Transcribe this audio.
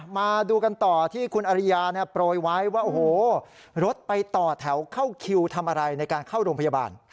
มาดูกันต่อที่คุณอริยาโปรยไว้ว่าโอ้โหรถไปต่อแถวเข้าคิวทำอะไรในการเข้าโรงพยาบาล